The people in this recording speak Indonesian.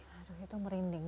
aduh itu merinding